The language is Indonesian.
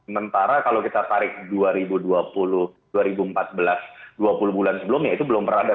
mentara kalau kita tarik dua ribu dua puluh dua ribu empat belas dua puluh bulan sebelumnya itu belum pernah ada